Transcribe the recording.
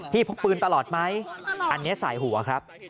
พกปืนตลอดไหมอันนี้สายหัวครับ